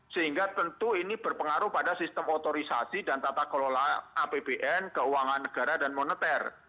sehingga tentu ini berpengaruh pada sistem otorisasi dan tata kelola apbn keuangan negara dan moneter